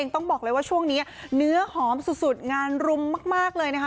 ต้องบอกเลยว่าช่วงนี้เนื้อหอมสุดงานรุมมากเลยนะคะ